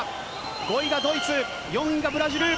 ５位がドイツ、４位がブラジル。